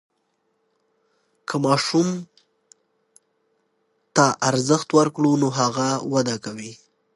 که ماسوم ته ارزښت ورکړو نو هغه وده کوي.